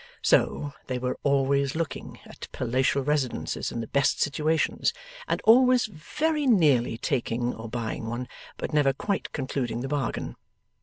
So, they were always looking at palatial residences in the best situations, and always very nearly taking or buying one, but never quite concluding the bargain.